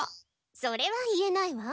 それは言えないわ。